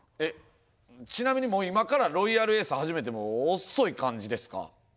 ちなみにもう今からロイヤルエース始めても遅い感じですか？